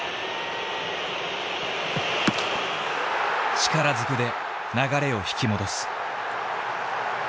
力ずくで流れを引き戻す。